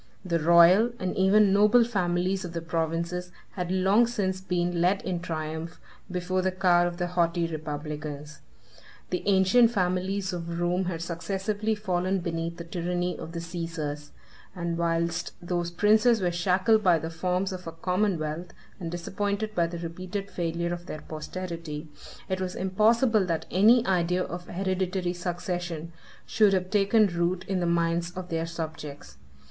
The royal, and even noble, families of the provinces had long since been led in triumph before the car of the haughty republicans. The ancient families of Rome had successively fallen beneath the tyranny of the Cæsars; and whilst those princes were shackled by the forms of a commonwealth, and disappointed by the repeated failure of their posterity, 1 it was impossible that any idea of hereditary succession should have taken root in the minds of their subjects.